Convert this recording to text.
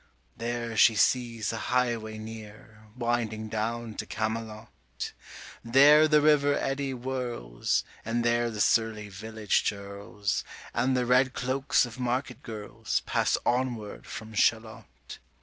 There she sees the highway near Winding down to Camelot: 50 There the river eddy whirls, And there the surly village churls, And the red cloaks of market girls, Pass onward from Shalott.